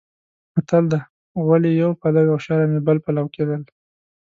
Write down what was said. متل دی: غول یې یو پلو او شرم یې بل پلو کېدل.